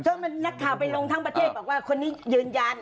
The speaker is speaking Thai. ก็นักข่าวไปลงทั้งประเทศบอกว่าคนนี้ยืนยัน